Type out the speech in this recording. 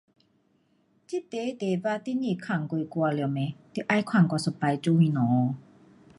这题题目，你不问过我了嚒，你又问我一次做什么哦。